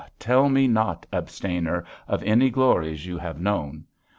tell me not, abstainer, of any glories you have known.